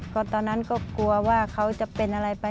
ก็ตอนนั้นก็กลัวว่าเขาจะเป็นอะไรไป